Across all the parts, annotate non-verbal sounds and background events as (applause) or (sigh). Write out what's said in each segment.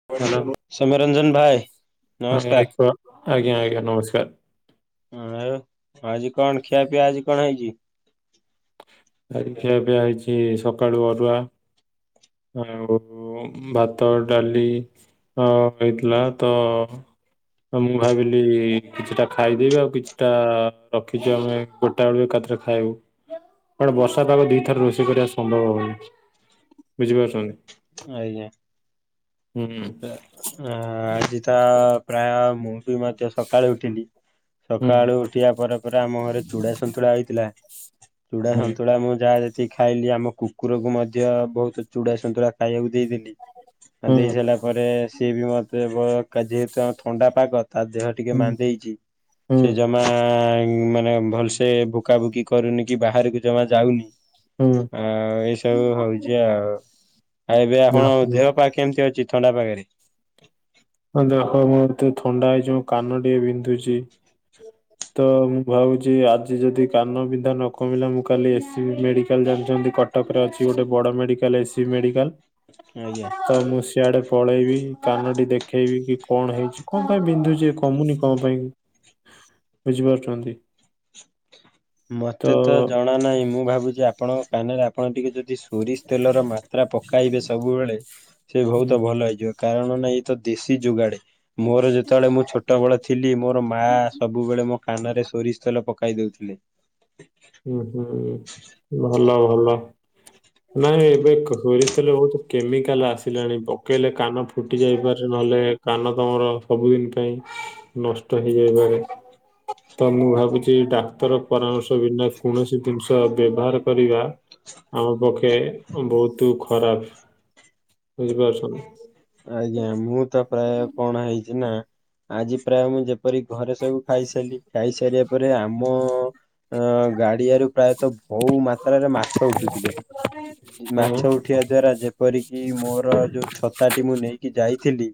(unintelligible) ସୌମ୍ୟରଞ୍ଜନ ଭାଇ। ହଁ ନମସ୍କାର ଆଜ୍ଞା ଆଜ୍ଞା ନମସ୍କାର୍। ଆ ଆଉ ଆଜି କଣ ଖିଆ ପିଆ ଆଜି କଣ ହେଇଚି? ଆଜି ଖିଆ ପିଇଆ ହେଇଚି ସକାଳୁ ଅରୁଆ। ଆଉ ଭାତ ଡାଲି ହେଇଥିଲା ତ ତ ମୁଁ ଭାବିଲି କିଛିଟା ଖାଇଦେଇବି ଆଉ କିଛିଟା ରଖିଚି ଆମେ କଟା ବେ ଏକା ଥରେ ଖାଇବୁ କାରଣ ବର୍ଷା ପାଗ ଦିଥର ରୋଷେଇ କରିବା ସମ୍ଭବ ହୋଉ ବୁଝିପାରୁଛନ୍ତି। ଆଜ୍ଞା ହୁଁ ଆ ଆଜି ତା ପ୍ରାୟ ମୁଁ ବି ମଧ୍ୟ ସକାଳୁ ଉଠିଲି, ହୁଁ ସକାଳୁ ଉଠିବା ପରେ ପରେ ଆମ ଘରେ ଚୁଡ଼ା ସନ୍ତୁଳା ହେଇଥିଲା ଚୁଡା ହୁଁ ସନ୍ତୁଳା ମୁଁ ଯାହା ସେ ଖାଇଲି ଆମ କୁକୁରକୁ ମଧ୍ୟ ବହୁତ ଚୁଡ଼ା ସନ୍ତୁଳା ଖାଇବାକୁ ଦେଇଦେଲି। ଆ ଦେଇ ହୁଁ ସାରିଲା ପରେ ସିଏ ବି ମତେ ଯେହେତୁ ଆମ ଥଣ୍ଡା ପାଗ ତା ଦେହ ଟିକେ ହୁଁ ମାନ୍ଦେଇଚି ହୁଁ ସେ ଜ ମା ମାନେ ଭଲସେ ଭୁକା ଭୁକି କରୁନି କି ବାହାରକୁ ଜମା ଯାଉନି। ହୁଁ। ଆ ଏଇସବୁ ହଉଛି ଆଉ ଆଉ ଏବେ ଆପଣ ଯାହା ହଉ। ଦେହ ପାଖ କେମିତି ଅଛି ଥଣ୍ଡା ପାଗରେ? ହଁ ଦେଖ ମୁଁ ଏତେ ଥଣ୍ଡା ହେଇଛି ମୋ କାନ ଟିକେ ବିନ୍ଧୁଚି। ତ ମୁଁ ଭାବୁଚି ଆଜି ଯଦି କାନ ବିନ୍ଧା ନ କମିଲା ମୁଁ କାଲି ଏସିବି ମେଡିକାଲ୍ ଜାଣିଛନ୍ତି କ ଟକ୍ ରେ ଅଛି ଗୋଟେ ବଡ ମେଡିକାଲ୍ ଏସି ମେଡିକାଲ୍। ଆଜ୍ଞା। ତ ମୁଁ ସିଆଡେ ପଳେଇବି କାନଟି ଦେ ଖେଇବି କି କଣ ହୋଇଛି କଣ ପାଇଁ ବିନ୍ଧୁଛି କମୁନି କଁ ପାଇଁ? ବୁଝି ପାରୁଚନ୍ତି। ମତେ ତ ଜଣା ନାହିଁ ମୁଁ ଭାବୁଛି ଆପଣଙ୍କ କାନରେ ଆପଣ ଟିକେ ଯଦି ସୋରିସ୍ ତେଲର ମାତ୍ରା ପକାଇବେ ସବୁବେଳେ ସେ ହୁଁ ବୋହୁତ ଭଲ ହେଇଯିବ। କାରଣ ନାଁ ତ ଦେଶୀ ଯୁଗାଡ୍ ମୋର ଯେତେବେଳେ ମୁଁ ଛୋଟବେଳେ ଥିଲି ମୋର ମା ସବୁବେଳେ ମୋ କାନ ରେ ସୋରିଷ୍ ତେଲ ପକାଇ ଦେଉଥିଲେ। ହୁଁ ହୁଁ ଭଲ ଭଲ ନାଇଁ ଏବେ ସୋରିଷ ତେଲ ବୋହୁତ୍ କେମିକାଲ ଆସିଲାଣି ପକାଇଲେ କାନ ଫୁଟି ଯାଇପାରେ ନହେଲେ କାନ ତମର ସବୁଦିନ ପାଇଁ ନଷ୍ଟ ହେଇଯାଇପାରେ ତ ମୁଁ ଭାବୁଛି ଡାକ୍ତର ପରାମର୍ଶ ବିନା କୌଣସି ଜିନିଷ ବ୍ୟବହାର କରିବା ଆମ ପକ୍ଷେ ବହୁତ ଖରାପ ବୁଝିପାରୁଚନା। ଆଜ୍ଞା ମୁଁ ତ ପ୍ରାୟ କନା ହେଇଛି ନା ଆଜି ପ୍ରାୟ ମୁଁ ପରି ଘରେ ସବୁ ଖାଇସାରିଲି ଖାଇସାରିବା ପରେ ଆମ ଅ ଗାଡିଆରୁ ପ୍ରାୟତଃ ବହୁ ମାତ୍ରାରେ ମାଛ ଉଠୁଥିଲେ। ହଁ। ମାଛ ଉଠିଆ ଦ୍ୱାରା ଯେପରିକି ମୋର ଯୋଉ ଛତାଟି ମୁଁ ନେଇକି ଯାଇଥିଲି।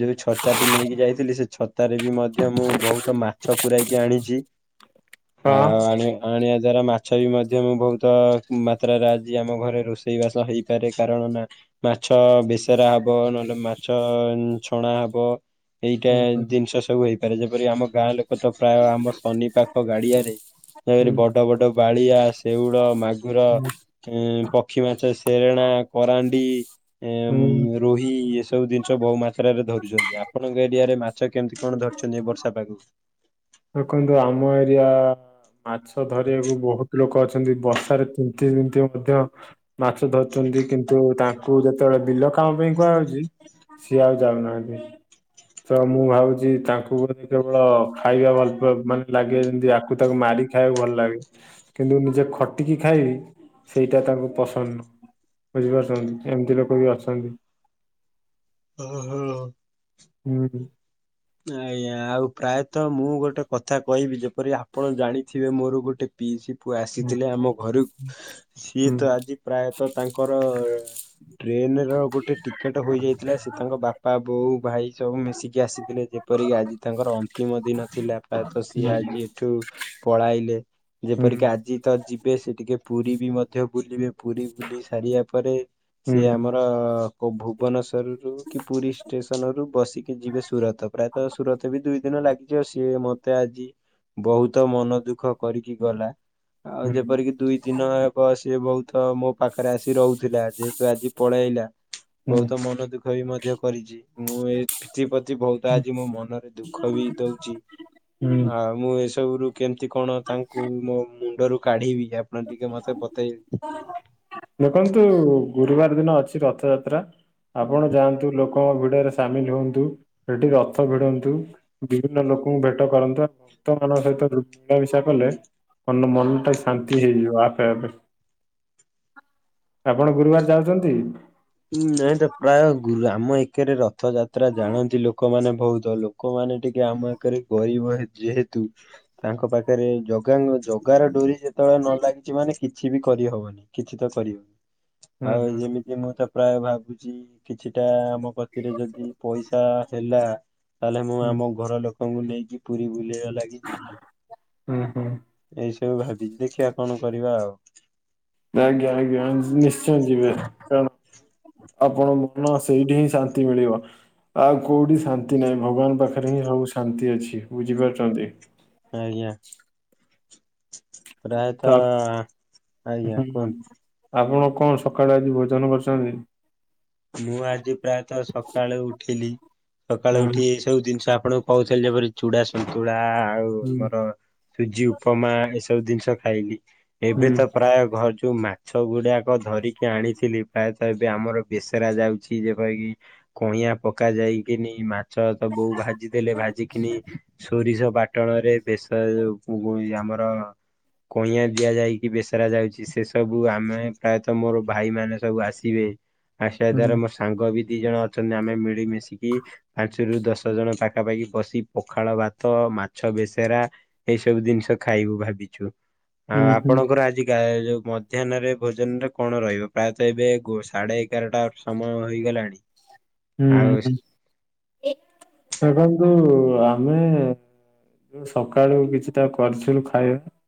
ଯୋଉ ଛତା ଟି ନେଇକି ଯାଇଥିଲି ସେ ଛତା ରେ ବି ମଧ୍ୟ ମୁଁ ବହୁତ ମାଛ ପୁରାଇକି ଆଣିଚି। ହଁ। ଆଉ ଆଣି ଆଣିଆ ଦ୍ୱାରା ମାଛ ବି ମଧ୍ୟ ମୁଁ ବହୁତ ମାତ୍ରାରେ ଆଜି ଆମ ଘରେ ରୋଷେଇ ବାସ ହେଇପାରେ। କାରଣ ନା ମାଛ ବେସରା ହବ ନହେଲେ ମାଛ ଛଣା ହବ। ଏଇଟା ହୁଁ ଜିନିଷ ସବୁ ହେଇପାରେ। ଯେପରି ଆମ ଗାଁ ଲୋକ ତ ପ୍ରାୟ ଆମ ଶନି ପାଖ ଗାଡିଆରେ ହୁଁ (unintelligible) ବଡ ବଡ ବାଳିଆ, ସେଉଳ, ମାଗ। ର ଉଁ ପକ୍ଷୀ ମାଛ ସେରେଣା, କରାଣ୍ଡି। ଏ ହୁଁ। ରୋହି ଇଏ ସ ସବୁ ଜିନିଷ ବହୁ ମାତ୍ରାରେ ଧରୁଚନ୍ତି। ଆପଣଙ୍କ ଏରିଆରେ ମାଛ କେମିତି କଣ ଧରୁଚନ୍ତି ଏ ବର୍ଷା ପାଗକୁ। ଦେଖନ୍ତୁ ଆମ ଏରିଆ ମାଛ ଧରିବାକୁ ବହୁତ ଲୋକ ଅଛନ୍ତି ବର୍ଷାରେ ତି (unintelligible) ମାଛ ଧରୁଚନ୍ତି କିନ୍ତୁ ତାଙ୍କୁ ଯେତେବେଳେ ବିଲ କାମ ପାଇଁ କୁହାହଉଚି ସିଏ ଆଉ ଯାଉନାହାନ୍ତି ତ ମୁଁ ଭାବୁଚି ତାଙ୍କୁ ବୋଲି କେବଳ ଖାଇବା ଭଲ ବ ମାନେ ଲାଗିଅ ଯେମତି ଆକୁ ତାକୁ ମାରି ଖାଇଆକୁ ଭଲ ଲାଗେ। କିନ୍ତୁ ନିଜେ ଖଟିକି ଖାଇବି ସେଇଟା ତାଙ୍କୁ ପସନ୍ଦ ନୁ ବୁଝିପାରୁଚନ୍ତି ଏମିତି ଲୋକ ବି ଅଛନ୍ତି। ଓହୋ। ହୁଁ ହୁଁ। ଆଜ୍ଞା ଆଉ ପ୍ରାୟତଃ ମୁଁ ଗୋଟେ କଥା କଇବି ଯେପରି ଆପଣ ଜାଣିଥିବେ ମୋର ଗୋଟେ ପିଇସି ପୁଅ ହୁଁ ଆସିଥିଲେ ଆମ ଘରୁ ସିଏ ହୁଁ ତ ଆଜି ପ୍ରାୟତଃ ତାଙ୍କର ଟ୍ରେନ ର ଗୋଟେ ଟିକେଟ ହୋଇଯାଇଥିଲା ସେ ତାଙ୍କ ବାପା, ବୋଉ, ଭାଇ ସବୁ ମିଶିକି ଆସିଥିଲେ। ଯେପରିକି ଆଜି ତାଙ୍କର ଅନ୍ତିମ ଦିନ ଥିଲା ପ୍ରାୟତଃ ସିଏ ଆଜି ଏଠୁ ପଳାଇଲେ। ହୁଁ ଯେପରିକି ଆଜି ତ ଯିବେ ସେ ଟିକେ ପୁରୀ ବି ମଧ୍ୟ ବୁଲିବେ। ପୁରୀ ବୁଲି ସାରିଆ ପରେ ହୁଁ ସେ ଆମର ପଭୁ ଭୁବନଶ୍ୱରରୁ କି ପୁରୀ ଷ୍ଟେସନ ରୁ ବସିକି ଯିବେ ସୁରଥ ପ୍ରାୟତଃ ସୁରଥ ବି ଦୁଇ ଦିନ ଲାଗିଅ ସିଏ ମତେ ଆଜି ବହୁତ ମନ ଦୁଃଖ କରିକି ଗଲା। ଆଉ ହୁଁ ଯେପରିକି ଦୁଇ ଦିନ ଏପ୍ ସିଏ ବହୁତ ମୋ ପାଖରେ ଆସି ରଉଥିଲା ଯେହେତୁ ଆଜି ପଳାଇଲା ହୁଁ ହୁଁ। ବହୁତ ମନ ଦୁଃଖ ମଧ୍ୟ କରିଚି ମୁଁ ଏଥି ପତି। ଆଜି ମୋ ମନରେ ଦୁଃଖ ବି ଦଉଚି ହୁଁ ଆଉ ମୁଁ ଏସବୁରୁ କେମିତି କଣ ତାଙ୍କୁ ମୋ ମୁଣ୍ଡରୁ କାଢିବି ଆପଣ ଟିକେ ମତେ ବତେଇବେ। ଦେଖନ୍ତୁ ଗୁରୁବାର ଦିନ ଅଛି ରଥଯାତ୍ରା। ଆପଣ ଯାଆନ୍ତୁ ଲୋକଙ୍କ ଭିଡରେ ସାମିଲ୍ ହୁଅନ୍ତୁ ସେଠି ରଥ ଭିଡନ୍ତୁ। ବିଭିନ୍ନ ଲୋକଙ୍କୁ ଭେଟ କରନ୍ତୁ। ଆ ଭକ୍ତମାନଙ୍କ ସହିତ ମିଳାମିଶା କଲେ। ଅନ୍ୟ ମନଟା ଶା ନ୍ତି ହେଇଯିବ ଆପେ ଆପେ। ଆପଣ ଗୁରୁବାରେ ଯାଉଚନ୍ତି? ଉଁ ନାଇଁତ ପ୍ରାୟ ଗୁ ଆମ ଏକେରେ ରଥଯାତ୍ରା ଜାଣନ୍ତି ଲୋକମାନେ ବହୁତ ଲୋ କମାନେ ଟିକେ ଆମ ଏକରେ ଗରିବ ଯେହେତୁ ତାଙ୍କ ପାଖରେ ଜଗାଙ୍କ ଜଗାର ଡୋରି ଯେତେବେଳେ ନ ଲାଗିଚି ମାନେ କିଛି ବି କରିହବନି କିଛି ତ କରି ହୁଁ ଆଉ ହୁଁ ଯେମିତି ମୁଁ ତ ପ୍ରାୟ ଭାବୁଚି କିଛିଟା-ଆ-ଆ ଆମ କତିରେ ଯଦି ପଇସା ହେଲା ତାହେଲେ ମୁଁ ହୁଁ ଆମ ଘର ଲୋକ କଙ୍କୁ ନେଇକି ପୁରୀ ବୁଲେଇବା ଲାଗି ଯିବି। ହୁଁ ହୁଁ। ଏଇସବୁ ଭାବିଚି। ଦେଖିଆ କଣ କରିବା ଆଉ। ଆଜ୍ଞା ଆଜ୍ଞା ନିଶ୍ଚୟ ଯିବେ କାରଣ ଆପଣଙ୍କ ମନ ସେଇଠି ହିଁ ଶାନ୍ତି ମିଳିବ ଆଉ କୋଉଠି ଶା ନ୍ତି ନାହିଁ ଭଗବାନ ପାଖରେ ହିଁ ସବୁ ଶାନ୍ତି ଅଛି ବୁଝିପାରୁଛନ୍ତି। ଆଜ୍ଞା। ତ ଆପ- ପ୍ରାୟତଃ-ଅ-ଅ ଆଜ୍ଞା ହୁଁ କୁହନ୍ତୁ ଆପଣ କଣ ସକାଳୁ ଆଜି ଭୋଜନ କରିଛନ୍ତି? ମୁଁ ଆଜି ପ୍ରାୟତଃ ସକାଳୁ ଉଠିଲି ସକାଳୁ ହୁଁ ଉଠି ସବୁ ଜିନିଷ ଆପଣଙ୍କୁ କହୁଥିଲି ଯେପରି ଚୁଡା ସନ୍ତୁଳା-ଆ-ଆ-ଆ ଆଉ ହୁଁ ମୋର ସୁଜି ଉପୁମା ଏସବୁ ଜିନିଷ ଖାଇଲି ହୁଁ ଏବେ ତ ପ୍ରାୟ ଘ ଯୋଉ ମାଛ ଗୁଡାକ ଧରିକି ଆଣିଥିଲି ପ୍ରାୟତଃ ଏବେ ଆମର ବେସରା ଯାଉଛି ଯେପରି କିି କଇଁଆ ପକା ଯାଇକିନି ମା ଛ ସବୁ ଭାଜି ଦେଲେ ଭାଜିିକିନି ସୋରିଷ ବାଟ୍ ଣରେ ବେଶ ଯେଉ-ଉ-ଉ ଯ ଆମର କଇଁଆ ଦିଆ ଯାଇକି ବେସରା ଯାଉଛି ସେ ସବୁ ଆମେ ପ୍ରାୟତଃ ମୋର ଭାଇ ମାନେ ସବୁ ଆସିବେ। ଆସିଵା ହୁଁ ଦ୍ଵାରା ମୋ ସାଙ୍ଗ ବି ଦି ଜଣ ଅଛନ୍ତି ଆମେ ମିଳିମିଶିକି ପାଞ୍ଚରୁ ଦଶ ଜଣ ପାଖାପାଖି ବସିି ପଖାଳ ଭାତ ମାଛ ବେସେରା ଏଇ ସବୁ ଜିନିଷ ଖାଇବୁ ଭାବିଛୁ। ଆଉ ହୁଁ ହୁଁ ଆପଣଙ୍କର ଆଜିିକା ଯୋଉ ମଧ୍ୟାହ୍ନରେ ଭୋଜନରେ କଣ ରହିବ ପ୍ରାୟତଃ ଏବେ ଗୋ ସାଢେ ଏଗାରଟା ସମୟ ହେଇଗଲାଣି। ଆଉ ହୁଁ ସେ ଦେଖନ୍ତୁ ଆମେ-ଏ-ଏ ସକାଳୁ କିଛିଟା କରିଥିଲୁ ଖାଇବା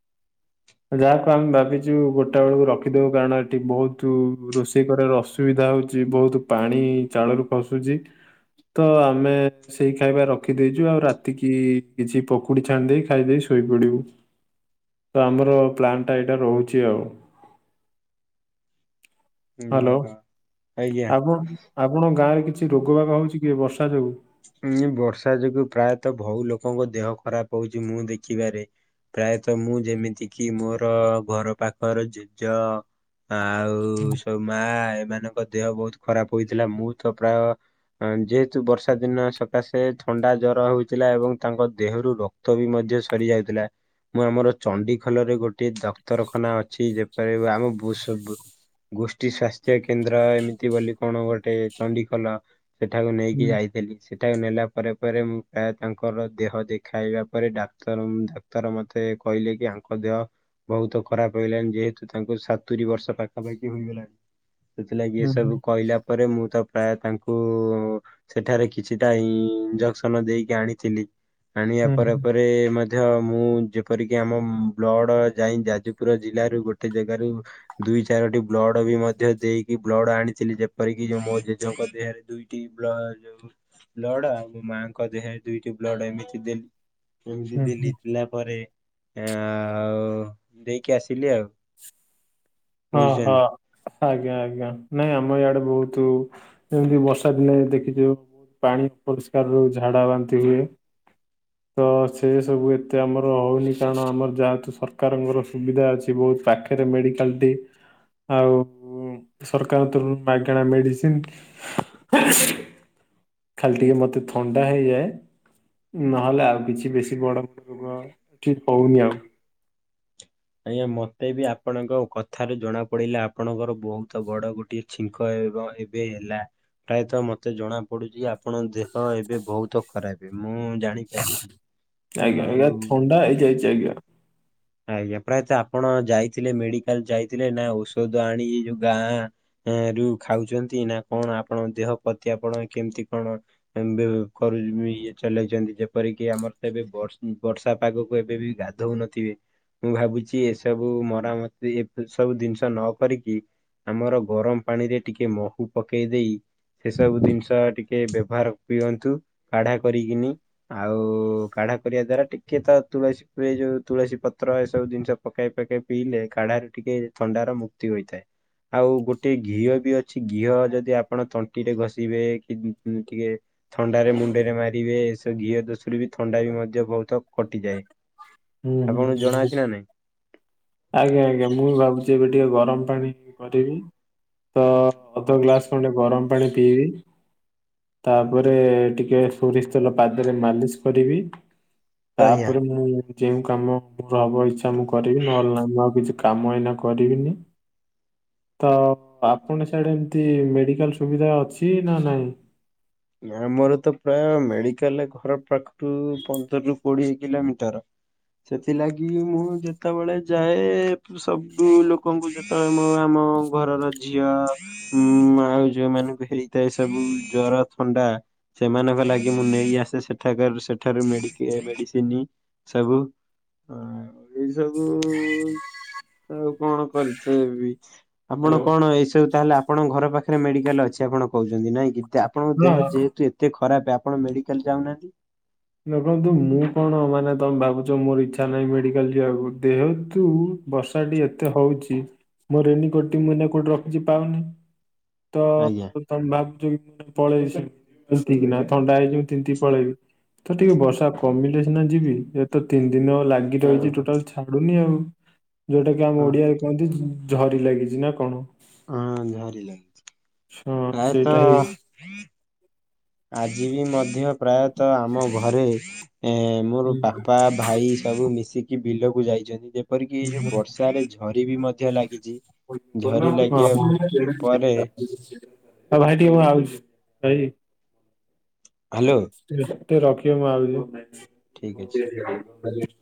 ଯାହାକୁ ଆମେ ଭାବିଛୁ ଗୋଟେ ବେଳକୁ ରଖିଦବୁ କାରଣ ଏଠି ବହୁତୁ ରୋଷେଇ କରିବାର ଅସୁ ସୁବିଧା ହଉଛି ବହୁତୁ ପାଣି ଚାଳରୁ ଖସୁଛି ତ ଆମେ-ଏ-ଏ ସେଇ ଖାଇବା ରଖିଦେଇଛୁ ଆଉ ରାତିକି-ଇ-ଇ କିଛି ପକୁଡି ଛାଣି ଦେଇ ଖାଇଦେଇ ଶୋଇ ପଡିବୁ। ତ ଆମର ପ୍ଲାନ୍ ଟା ଏଇଟା ରହୁଛି ଆଉ। ହ୍ୟାଲୋ ଓହୋ ଆଜ୍ଞା। ଆପଣ ଗାଁ ରେ କିଛି ରୋଗ ବାଗ ହଉଛି କି ବର୍ଷା ଯୋଗୁ? ହୁଁ ବର୍ଷା ଯୋଗୁ ପ୍ରାୟତଃ ବହୁ ଲୋକଙ୍କ ଦେହ ଖରାପ ହଉଛି ମୁଁ ଦେଖିବାରେ। ପ୍ରାୟତଃ ମୁଁ ଯେମିତି କି ମୋର-ଅ-ଅ ଘର ପାଖରେ ଜେଜ ଆଉ-ଉ ସବୁ ମା ଏମାନଙ୍କ ଦେହ ବହୁତ ଖରାପ ହୋଇଥିଲା ମୁଁ ତ ପ୍ରାୟ ଅ ଯେହେତୁ ବର୍ଷ୍ ସେ ଦିନ ସକାଶେ ଥଣ୍ଡା ଜ୍ଵର ହଉଥିଲା ଏବଂ ତାଙ୍କ ଦେହରୁ ରକ୍ତ ବି ମଧ୍ୟ ସରିଯାଉଥିଲା। ମୁଁ ଆମର ଚଣ୍ଡିଖୋଲ ରେ ଗୋଟ୍ ଟେ ଡକ୍ତରଖାନା ଅଛି ଯେପରି ଆମ ବୁ ସବୁ ଗୋଷ୍ଠୀ ସ୍ୱାସ୍ଥ୍ୟ ସେ କେନ୍ଦ୍ର ଏମିତି ବୋଲି କଣ ଗୋଟେ ଚଣ୍ଡିଖୋଲ ସେଠାକୁ ହୁଁ ନେଇକି ଯାଇ ଏଲି ସେଟାକୁ ନେଲା ପରେ ପରେ ମୁଁ ପ୍ରାୟ ତାଙ୍କର ଦେହ ଦେଖାଇବା ପରେ ଡାକ୍ତର ମୁ ଏଥର ମତେ କହିଲେ କି ଆଙ୍କ ଦେହ ବହୁତ ଖରାପ ହେଇଗଲାଣି ଯେହେତୁ ତାଙ୍କୁ ସତୁରି ବର୍ଷ ପାଖାପାଖି ହୋଇଗଲାଣି। ସେଥିଲାଗି ଏ ହୁଁ ହୁଁ ସବୁ କହିଲା ପରେ ମୁଁ ତ ପ୍ରାୟ ତାଙ୍କୁ-ଉ-ଉ-ଉ ସେଠାରେ କିଛିଟା ଇ-ଇ-ଇ ଇଞଜକ୍ସନ ଦେଇକି ଆଣିଥିଲି ଆଣିବା ହୁଁ ହୁଁ ପରେ ପରେ ମ ଧ୍ୟ ମୁଁ ଯେପରିକି ଆମ ବ୍ଲଡ଼ ଯାଇ ଯାଜପୁର ଜିଲ୍ଲାରୁ ଗୋଟେ ଜେଗାରୁ ଦୁଇ ଚାରୋଟି ବ୍ଲଡ଼ ବି ମଧ୍ୟ ଦେଇକି ବ୍ଲଡ ଆଣିଥିଲି ଯେପରିକି ଯୋଉ ମୋ ଜେଜଙ୍କ ଦେହରେ ଦୁଇ ଟି ବ୍ଲ ଯୋଉ ବ୍ଲଡ ଆଉ ମୋ ମାଙ୍କ ଦେହରେ ଦୁଇଟି ବ୍ଲଡ ଏମିତି ଦେଲି। ଏମିତି ହୁଁ ଦେଲି ହୁଁ ଦେଲା ପରେ ଆ-ଆ-ଆଉ ଦେଇକି ଆସିଲି ଆଉ। ହଁ ବୁଝୁଛନ୍ତି। ହଁ। ଆଜ୍ଞା ଆଜ୍ଞା ନାଇଁ ଆମ ଇଆଡେ ବହୁତ ଏମିତି ବର୍ଷା ଦିନେ ଦେଖିଛୁ। ପାଣି ଅପରିଷ୍କାରରୁ ଝାଡା ବାନ୍ତି ହୁଏ। ତ ସେ ସବୁ ଏତେ ଆମର ହଉନି, କାରଣ ଆମର ଯାହେତୁ ସରକାରଙ୍କର ସୁବିଧା ଅଛି। ବହୁତ୍ ପାଖ୍ ପାଖେରେ ମେଡିକାଲ୍ ଟି, ଆଉ ସରକାରଙ୍କ ତରଫରୁ ମାଗଣା ମେଡିସିନ୍ ଖାଲି ଟିକେ ମତେ ଥଣ୍ଡା ହେଇଯାଏ। ନହେଲେ ଆଉ କିଛି ବେଶୀ ବଡ ବଡ଼ ରୋଗ ଠିକ୍ ହଉନି ଆଉ। ଆଜ୍ଞା ମତେ ବି ଆପଣଙ୍କ କଥାରୁ ଜଣା ପଡିଲା, ଆପଣଙ୍କର ବହୁତ ବଡ ଗୋଟିଏ ଛିଙ୍କ (unintelligible) ଏବେ ହେଲା, ପ୍ରାୟତଃ ମତେ ଜଣା ପଡ଼ୁଚି ଆପ ଆପଣଙ୍କ ଦେହ ଏବେ ବହୁତ ଖରାପ, ମୁଁ ଜାଣିପାରୁଛି ଆଜ୍ଞା ଆଜ୍ଞା ଆଉ ଥଣ୍ଡା ହେଇଯାଇଛି ଆଜ୍ଞା। ଆଜ୍ଞା ପ୍ରାୟତଃ ଆପଣ ଯାଇଥିଲେ ମେଡିକାଲ୍, ଯାଇଥିଲେ ନା ଔଷଧ ଆଣି ଯୋଉ ଗାଁ ରୁ ଖାଉଛନ୍ତି ନା କଣ? ଆପଣ ଦେହ ପ୍ରତି ଆପଣ କେମିତି କଣ? (unintelligible) କରୁ ଇଏ ଚଲେଇଛନ୍ତି, ଯେପରିକି ଆମର ତ ଏବେ ବର୍ଷା ବର୍ଷା ପାଗକୁ ଏବେ ବି ଗା ଧୋଉନଥିବେ, ମୁଁ ଭାବୁଛି ଏସବୁ ମରାମତି ଏ ସବୁ ଜିନିଷ ନ କରିକି ଆମର ଗରମ ପାଣିରେ ଟିକେ ମହୁ ପକେଇଦେଇ ସେ ସବୁ ଜିନିଷ ଟିକେ ବ୍ୟବହାର ପିଅନ୍ତୁ କାଢା କରିକିନି। ଆଉ କାଢା କରିବା ଦ୍ଵାରା, ଟିକେ ତ ତୁଳସୀ ପିଏ ଯୋଉ ତୁଳସୀ ପ ପତ୍ର ଏସବୁ ଜିନିଷ ପକେଇ ପକେଇ ପାକେଇ, କାଢାରୁ ଟିକେ ଥଣ୍ଡାରୁ ମୁକ୍ତି ହୋଇଥାଏ। ଆଉ ଗୋଟେ ଘିଅ ବି ଅଛି ଘିଅ, ଯଦି ଆପଣ ତଣ୍ଟିରେ ଘଷିବେ କି ଟିକେ ଥଣ୍ଡାରେ ମୁଣ୍ଡରେ ମାରିବେ, ଏସବୁ ଘିଅ ଦୋଶରୁ ବି ଥଣ୍ଡା ବି ମଧ୍ୟ ବହୁତ କଟିଯାଏ। ହୁଁ ଆପଣଙ୍କୁ ହୁଁ ଜଣା ହୁଁ ଅଛି ନା ନାଇଁ? ଆଜ୍ଞା ଆଜ୍ଞା ମୁଁ ବି ଭାବୁଛି ଏବେ ଟିକେ ଗରମ ପାଣି କରିବି। ତ ଅଧ ଗ୍ଲାସ ଖଣ୍ଡେ ଗରମ ପାଣି ପିଇବି। ତାପରେ ଟିକେ ସୋରିଷ ତେଲ ପାଦରେ ମାଲିସ କରିବି। ଆଜ୍ଞା ତାପରେ ମୁଁ ଯେଉଁ କାମ ମୋର ହବ ଇଛା ମୁଁ କରିବି, ନହେଲେ ନାଇଁ ମୁଁ ଆଉ କିଛି କାମ ଏଇନା କରିବିନି। ତ ଆପଣ ସିଆଡେ ଏମିତି ମେଡିକାଲ ସୁବିଧା ଅଛି ନା ନାଇଁ? ନା ଆମର ତ ପ୍ରାୟ ମେଡିକାଲ୍ ଘର ପାଖରୁ ପନ୍ଦରରୁ କୋଡିଏ କିଲୋମିଟର। ସେଥିଲାଗି ମୁଁ ଯେତେବେଳେ ଯାଏ ସବୁ ଲୋ କଙ୍କୁ ଯେତେବେଳେ ମୁଁ ଆମ ଘରର ଝିଅ ହୁଁ ଆଉ ଯୋଉ ମାନଙ୍କୁ ହେଇଥାଏ ସବୁ ଜ୍ୱର ଥଣ୍ଡା ସେମାନଙ୍କ ଲାଗି, ମୁଁ ନେଇ ଆସେ ସେଠାକାର ସେଠାରୁ ମେଡିକେୟାର ମେଡିସିନ। ସବୁ ହଁ ଏଇ ସବୁ ଆଉ କଣ କରିଥିବି? ଆପଣ କଣ ଏଇସବୁ ତାହଲେ ଆପଣଙ୍କ ଘର ପାଖରେ ମେଡିକାଲ ଅଛି, ଆପଣ କହୁଛନ୍ତି ନାଇଁ କି? ଆପଣଙ୍କ ଦେହ ହଁ ଯେହେତୁ ଏତେ ଖରାପ, ଆପଣ ମେଡିକାଲ୍ ଯାଉନାହାନ୍ତି? ଦେଖନ୍ତୁ ମୁଁ କଣ ମାନେ, ତମେ ଭାବୁଛ ମୋର ଇଚ୍ଛା ନାହିଁ ମେଡିକାଲ ଯିବାକୁ। ଯେହେତୁ ବର୍ଷାଟି ଏତେ ହଉଚି, ମୋ ରେନିକୋଟ ଟି ମୁଁ ଏଇନା କୋଉଠି ରଖିଛି ପାଉନି? ତ ଆଜ୍ଞା ତମେ ଭାବୁଛ କି ମୁଁ କୁଆଡ଼େ ପଳେଇବିି (unintelligible) ନା ଥଣ୍ଡା ହେଇଯିବି ମୁଁ ତିନ୍ତିକି ପଳେଇବି। ତ ଟିକେ ବର୍ଷା କମିଲେ ସିନା ଯିବି, ଏ ତ ତିନି ଦିନ ହବ ଲାଗି ରହିଛି ଟୋଟାଲ୍ ଛାଡୁନି ଆଉ। ଯୋଉଟା କି ଆମ ହଁ ଓଡିଆରେ କୁହନ୍ତି ଝରି ଲାଗିଛି ନା କଣ? ହଁ ଝରି ଲାଗିଛି। ହଁ ସେଇଟା ପ୍ରାୟତଃ ହେଇଛି। ଆଜି ବି ମଧ୍ୟ ପ୍ରାୟତଃ ଆମ ଘରେ, ଏ ମୋର ବାପା ଭାଇ ସବୁ ମିଶିକି ବିଲକୁ ଯାଇଛନ୍ତି। ଯେ ପରିକି ଏ ଯୋଉ ବର୍ଷାରେ ଝରି ବି ମଧ୍ୟ ଲାଗିଛି। ଝରି (unintelligible) ଲାଗିବା ହଁ ପରେ ଭାଇ ଟିକେ ମୁଁ ଆଉଛି ଭାଇ। ହ୍ୟାଲୋ ଟିକେ ଟିକେ ରଖିବ ଠିକ ଅଛି। ମୁଁ ଆଉଚି।